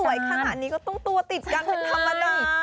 สวยขนาดนี้ต้องตัวติดกันให้ธรรมดา